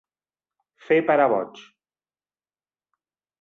Fer parar boig.